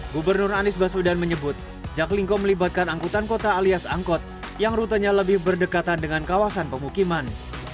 gubernur anies baswedan menyebut jaklingko melibatkan angkutan kota alias angkot yang rutenya lebih berdekatan dengan kawasan pemukiman